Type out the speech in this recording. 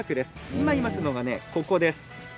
今、いますのがここです。